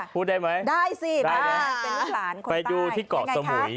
พูดได้ไหมได้สิได้เป็นลูกหลานคนไปดูที่เกาะสมุย